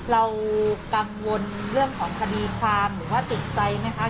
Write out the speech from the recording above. เรากังวลเรื่องของคดีความหรือว่าติดใจไหมคะ